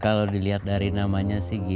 kalau dilihat dari namanya sih gitu